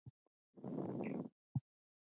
د افغانستان طبیعت له مس څخه جوړ شوی دی.